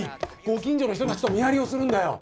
ご近所の人たちと見張りをするんだよ。